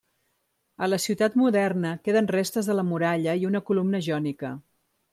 A la ciutat moderna queden restes de la muralla i una columna jònica.